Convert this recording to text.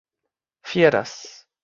fieras